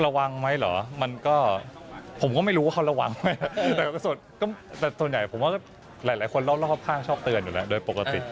ระวังไหมเหรอมันก็ผมก็ไม่รู้ว่าเขาระวังไหมแต่ส่วนใหญ่ผมว่าหลายคนรอบข้างชอบเตือนอยู่แล้วโดยปกติ